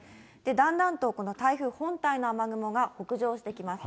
だんだんとこの台風本体の雨雲が北上してきます。